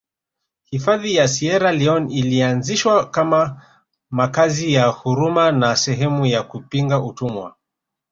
Hifadhi ya Sierra Leone ilianzishwa kama makazi ya huruma na sehemu ya kupinga utumwa